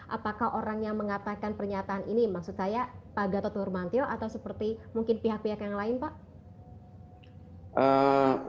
apakah orang yang mengatakan pernyataan ini maksud saya pak gatot nurmantil atau seperti mungkin pihak pihak yang lain pak